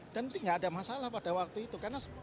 dan tidak ada masalah pada waktu itu